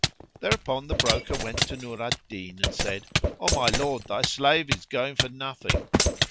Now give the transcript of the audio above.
Thereupon the broker went to Nur al Din and said, "O my lord, thy slave is going for nothing!"